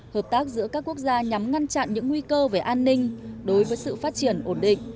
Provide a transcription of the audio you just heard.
hợp tác giữa các quốc gia nhằm ngăn chặn những nguy cơ về an ninh đối với sự phát triển ổn định